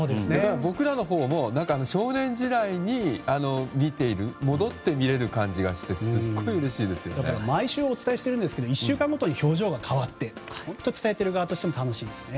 僕らのほうも、少年時代に戻って見れる感じがして毎週お伝えしていますが１週間ごとに表情が変わって伝えている側としても楽しいですね。